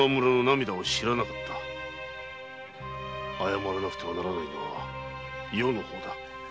謝らなくてはならないのは余のほうだ。